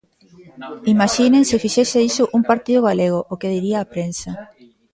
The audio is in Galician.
Imaxinen se fixese iso un partido galego o que diría a prensa.